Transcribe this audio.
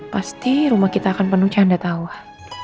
pasti rumah kita akan penuh canda tawa